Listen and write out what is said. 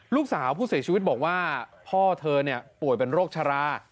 ลูกสาวผู้เสียชีวิตบอกว่าพ่อเธอป่วยเป็นโรคชรา